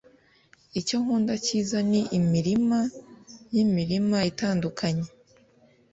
Icyo nkunda cyiza ni imirima yimirima itandukanye